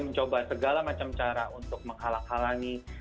mencoba segala macam cara untuk menghalang halangi